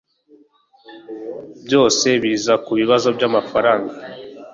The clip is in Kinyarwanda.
byose biza kubibazo byamafaranga